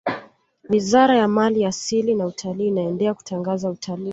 wizara ya mali asili na utalii inaendelea kutangaza utalii